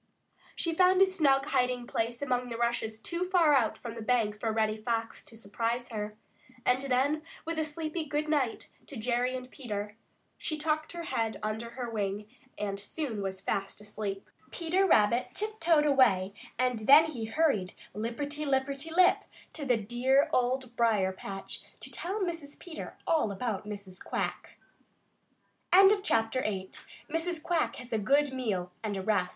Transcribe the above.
She found a snug hiding place among the rushes too far out from the bank for Reddy Fox to surprise her, and then with a sleepy "Good night" to Jerry and Peter, she tucked her head under her wing and soon was fast asleep. Peter Rabbit tiptoed away, and then he hurried lipperty lipperty lip to the dear Old Briar patch to tell Mrs. Peter all about Mrs. Quack. IX PETER RABBIT MAKES AN EARLY CALL Peter Rabbit was so full of interest in Mrs. Quack and her troubles that